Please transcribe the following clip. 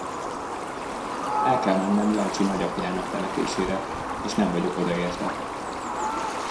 El kell mennem Jancsi nagyapjának temetésére, és nem vagyok oda érte.